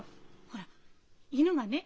ほら犬がね